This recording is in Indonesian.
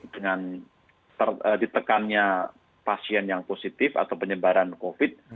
dengan ditekannya pasien yang positif atau penyebaran covid